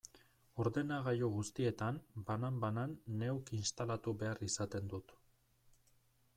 Ordenagailu guztietan, banan-banan, neuk instalatu behar izaten dut.